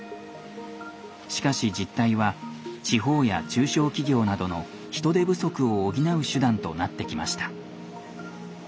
しかし実態は地方や中小企業などの人手不足を補う手段となってきました。